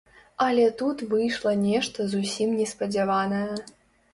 Але тут выйшла нешта зусім неспадзяванае.